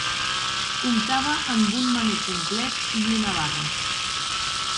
Comptava amb un menú complet i una barra.